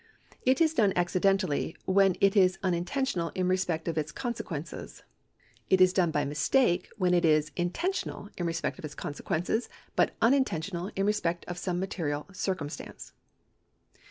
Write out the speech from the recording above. It is done accidentally, when it is unintentional in respect of its cotisequences. It is done by mistake, when it is intentional in respect of its consequences, but unintentional in respect of some material circurnstance.